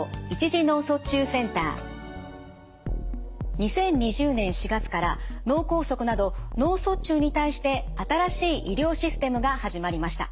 ２０２０年４月から脳梗塞など脳卒中に対して新しい医療システムが始まりました。